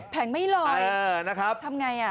แผงไม่ลอยทำไง